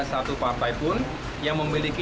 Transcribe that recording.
satu partai pun yang memiliki